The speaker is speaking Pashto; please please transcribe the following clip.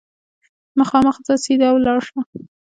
مخامخ ځه ، سیده ولاړ شه !